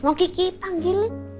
mau kiki panggilin